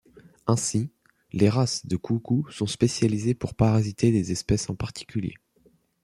Ainsi, les races de coucous sont spécialisées pour parasiter des espèces en particulier.